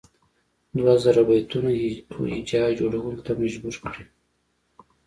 دوه زره بیتونو هجا جوړولو ته مجبور کړي.